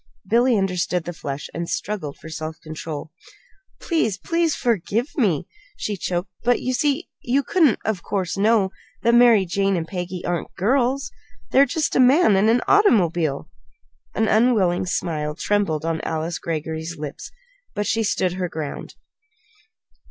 Billy understood the flush, and struggled for self control. "Please please, forgive me!" she choked. "But you see you couldn't, of course, know that Mary Jane and Peggy aren't girls. They're just a man and an automobile!" An unwilling smile trembled on Alice Greggory's lips; but she still stood her ground.